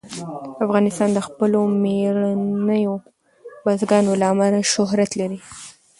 افغانستان د خپلو مېړنیو بزګانو له امله شهرت لري.